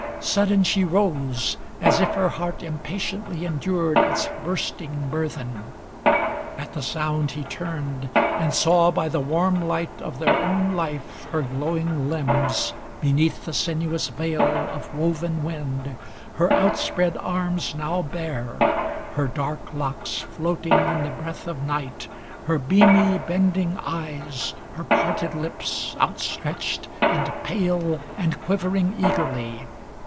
Sudden she rose. As if her heart impatiently endured Its bursting burden; at the sound he turned, And saw by the warm light of their own life Her glowing limbs beneath the sinuous veil Of woven wind, her outspread arms now bare, Her dark locks floating in the breath of night, Her beamy bending eyes, her parted lips Outstretched, and pale, and quivering eagerly.